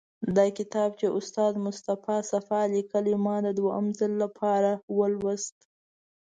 دا کتاب چې استاد مصطفی صفا لیکلی، ما د دوهم ځل لپاره ولوست.